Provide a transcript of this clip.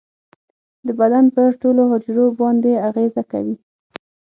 د بدن پر ټولو حجرو باندې اغیزه کوي.